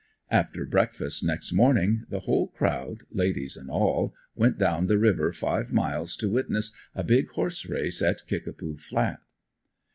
After breakfast next morning the whole crowd, ladies and all, went down the river five miles to witness a "big" horse race at "Kickapoo" flat.